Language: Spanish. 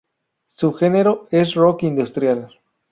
Su genero es rock industrial.